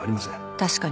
確かに。